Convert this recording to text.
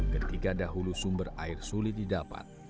ketika dahulu sumber air sulit didapat